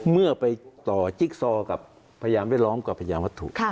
เมื่อไปต่อจิ๊กซอกับพยานแวดล้อมกับพยานวัตถุ